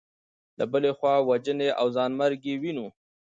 له بلې خوا وژنې او ځانمرګي وینو.